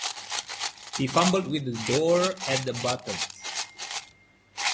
He fumbled with the door at the bottom.